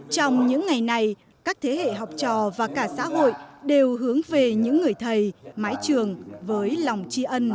trong những ngày này các thế hệ học trò và cả xã hội đều hướng về những người thầy mái trường với lòng tri ân